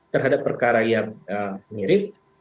terhadap perkara yang mirip